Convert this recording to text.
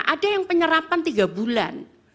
ada yang penyerapan tiga bulan